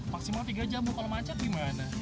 maksimal tiga jam kalau macam